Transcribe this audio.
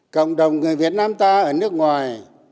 cộng đồng người việt nam ta ở nước ngoài